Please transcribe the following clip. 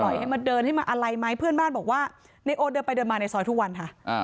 ให้มาเดินให้มาอะไรไหมเพื่อนบ้านบอกว่าในโอเดินไปเดินมาในซอยทุกวันค่ะ